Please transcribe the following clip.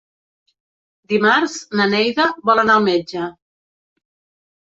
Dimarts na Neida vol anar al metge.